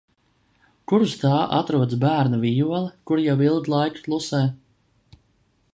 Kur uz tā atrodas bērna vijole, kura jau ilgu laiku klusē.